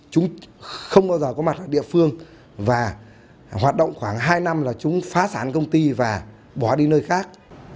chúng không bao giờ có mặt ở địa phương và hoạt động khoảng hai năm là chúng phá sản công ty và bỏ đi nơi khác